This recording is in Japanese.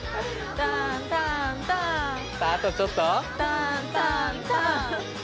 あとちょっと。